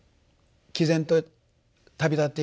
きぜんと旅立っていく妹。